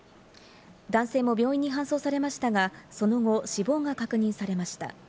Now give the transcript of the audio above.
男性も病院に搬送されましたが、その後、死亡が確認されました。